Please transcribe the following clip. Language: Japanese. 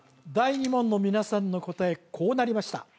第２問の皆さんの答えこうなりました